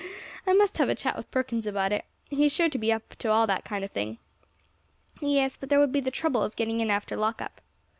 I must have a chat with Perkins about it, he is sure to be up to all that kind of thing." "Yes, but there would be the trouble of getting in after lock up."